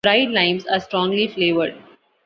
Dried limes are strongly flavored.